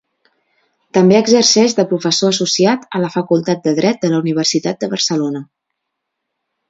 També exerceix de professor associat a la Facultat de Dret de la Universitat de Barcelona.